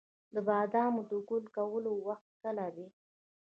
د بادامو د ګل کولو وخت کله دی؟